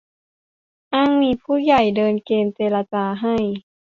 อ้างมีผู้ใหญ่เดินเกมเจรจาให้